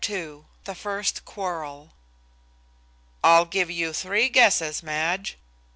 II THE FIRST QUARREL "I'll give you three guesses, Madge."